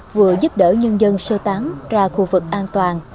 vừa giúp đỡ nhân dân sơ tán ra khu vực an toàn